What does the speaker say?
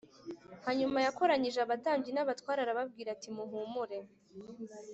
Hanyuma yakoranyije abatambyi n abatware arababwira ati muhumure